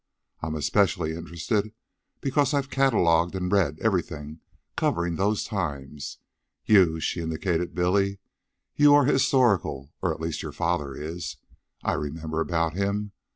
I am especially interested, because I've catalogued and read everything covering those times. You " she indicated Billy, "you are historical, or at least your father is. I remember about him.